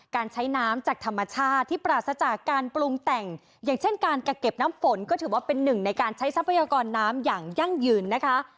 การใช้น้ำจากธรรมชาติที่ปราศจากการปรุงแต่งอย่างเช่นการกักเก็บน้ำฝนก็ถือว่าเป็นหนึ่งในการใช้ทรัพยากรน้ำอย่างยั่งยืนนะคะ